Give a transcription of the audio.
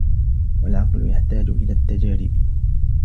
وَالْعَقْلُ يَحْتَاجُ إلَى التَّجَارِبِ